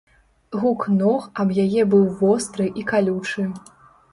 Гук ног аб яе быў востры і калючы.